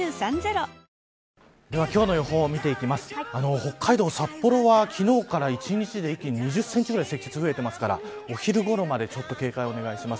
北海道、札幌は、昨日から一日で一気に２０センチぐらい積雪が増えていますからお昼ごろまで警戒をお願いします。